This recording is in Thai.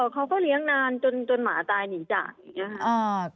เขาก็เลี้ยงนานจนหมาตายหนีจากอย่างนี้ค่ะ